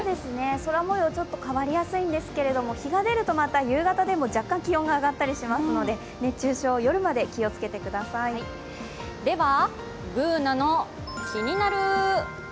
空もよう、ちょっと変わりやすいんですけれども、日が出るとまた、夕方でも若干気温が上がったりしますので熱中症、夜まで気をつけてください「ＢｏｏｎａのキニナルＬＩＦＥ」